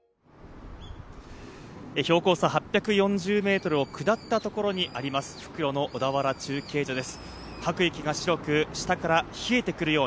標高差８４０ｍを下ったところにあります、復路の小田原中継所です。